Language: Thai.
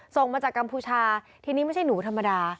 ส่งมาจากกัมพูชาทีนี้ไม่ใช่หนูธรรมดา